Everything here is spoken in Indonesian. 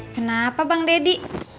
kenapa bang deddy